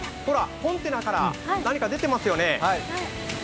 コンテナから、ほら、何か出てますよね。